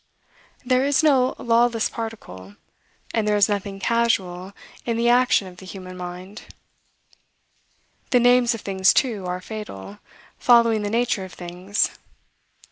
There is no lawless particle, and there is nothing casual in the action of the human mind. The names of things, too, are fatal, following the nature of things.